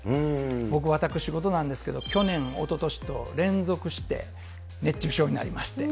僕、私事なんですけど、去年、おととしと連続して熱中症になりまして。